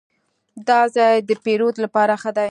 دا ځای د پیرود لپاره ښه دی.